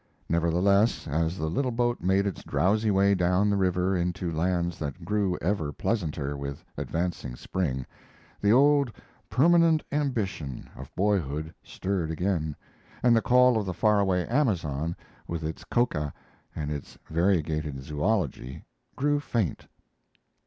Nevertheless, as the little boat made its drowsy way down the river into lands that grew ever pleasanter with advancing spring, the old "permanent ambition" of boyhood stirred again, and the call of the far away Amazon, with its coca and its variegated zoology, grew faint.